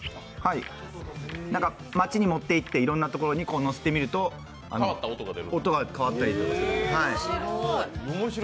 街に持っていっていろんなところにのせてみると音が変わったりとかする。